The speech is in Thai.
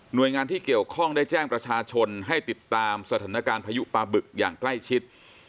โดยงานที่เกี่ยวข้องได้แจ้งประชาชนให้ติดตามสถานการณ์พายุปลาบึกอย่างใกล้ชิด